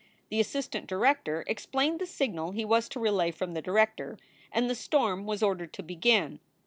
The assistant director explained the signal he was to relay from the director, and the storm was ordered to begin.